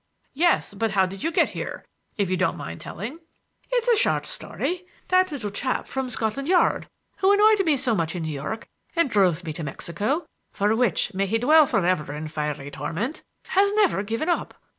"Yes, but how did you get here?—if you don't mind telling." "It's a short story. That little chap from Scotland Yard, who annoyed me so much in New York and drove me to Mexico—for which may he dwell for ever in fiery torment—has never given up.